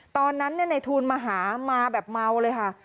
ตอนนั้นในทูลมาหามาแบบเมาเลยค่ะ